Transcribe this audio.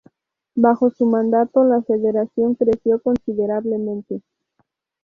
Bajo su mandato, la Federación creció considerablemente.